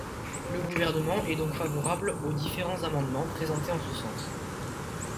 Le Gouvernement est donc favorable aux différents amendements présentés en ce sens.